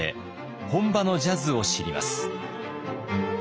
本場のジャズを知ります。